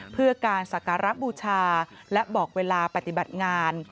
เพื่อการสักการะบูชาและบอกเวลาปฏิบัติงาน